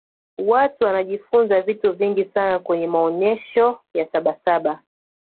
watu wanajifunza vitu vingi sana kwenye maonyesho ya sabasaba